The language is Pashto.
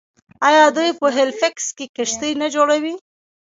آیا دوی په هیلیفیکس کې کښتۍ نه جوړوي؟